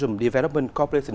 ở trong khu vực